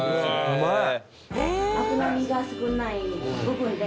うまい。